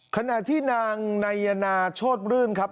ขณะที่นางนายนาโชธรื่นครับ